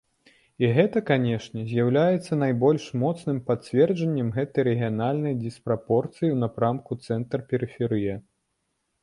І гэта, канечне, з'яўляецца найбольш моцным пацверджаннем гэтай рэгіянальнай дыспрапорцыі ў напрамку цэнтр-перыферыя.